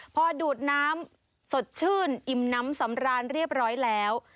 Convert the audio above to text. พอดูดน้ำสดชื่นอิ่มน้ำสำราญเรียบร้อยแล้ว